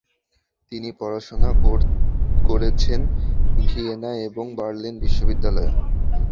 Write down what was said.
তিনি পড়াশোনা করেছেন ভিয়েনা এবং বার্লিন বিশ্ববিদ্যালয়ে।